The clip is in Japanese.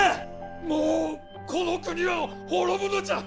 もうこの国は滅ぶのじゃ！